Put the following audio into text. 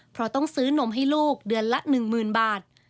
เพราะต้องซื้อนมให้ลูกเดือนละ๑๐๐๐บาท